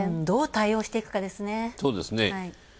どう対応していくかですね。